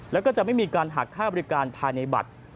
แล้วก็จะไม่มีการหักค่าบริการภายในบัตร